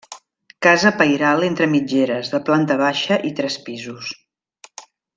Casa pairal entre mitgeres, de planta baixa i tres pisos.